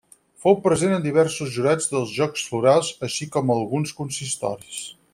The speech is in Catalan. Fou present en diversos jurats dels Jocs Florals així com alguns consistoris.